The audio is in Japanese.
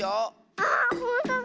あっほんとだ。